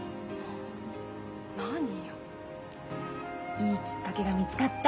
いいきっかけが見つかった。